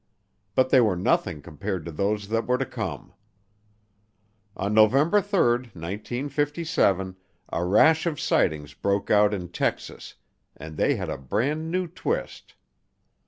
But they were nothing compared to those that were to come. On November 3, 1957, a rash of sightings broke out in Texas and they had a brand new twist.